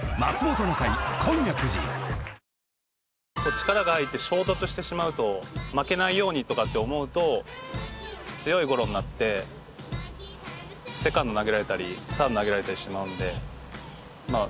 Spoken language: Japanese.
力が入って衝突してしまうと負けないようにとかって思うと強いゴロになってセカンドに投げられたりサードに投げられてしまうので。